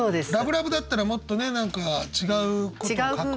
ラブラブだったらもっとね何か違うこと書く。